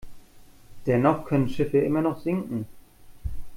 Dennoch können Schiffe immer noch sinken.